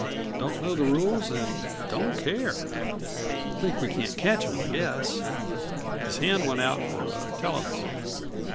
Don't know the rules and don't care. Think we can't catch 'em, I guess." His hand went out for a telephone.